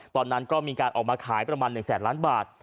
ตอนนั้นก็มีการออกมาขายประมาณ๑แสนล้านบาท